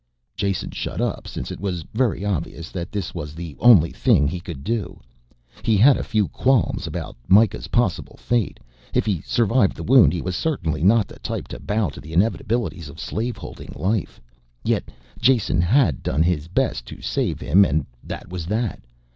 Jason shut up since it was very obvious that this was the only thing he could do. He had a few qualms about Mikah's possible fate: if he survived the wound he was certainly not the type to bow to the inevitabilities of slave holding life. Yet Jason had done his best to save him and that was that.